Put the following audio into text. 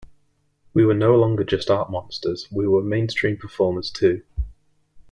We were no longer just art monsters, we were mainstream performers too.